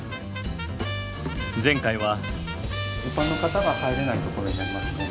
前回は。